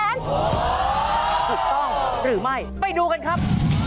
ถูกต้องหรือไม่ไปดูกันครับ